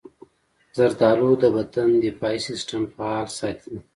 زردالو د بدن دفاعي سستم فعال ساتي.